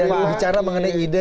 dan bicara mengenai ide